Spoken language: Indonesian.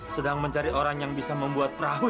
sedang mencari orang yang bisa membuat perahu